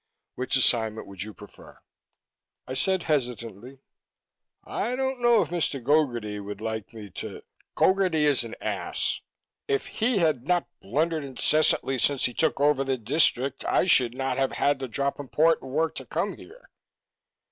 Which assignment would you prefer?" I said hesitantly, "I don't know if Mr. Gogarty would like me to " "Gogarty is an ass! If he had not blundered incessantly since he took over the district, I should not have had to drop important work to come here."